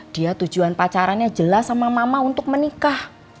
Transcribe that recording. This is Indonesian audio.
dia tujuan pacarannya jelas sama mama untuk menikah